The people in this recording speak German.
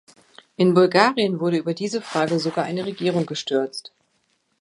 In Bulgarien wurde über diese Frage sogar eine Regierung gestürzt.